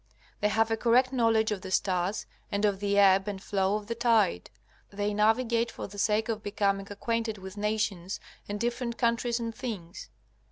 They have a correct knowledge of the stars, and of the ebb and flow of the tide. They navigate for the sake of becoming acquainted with nations and different countries and things.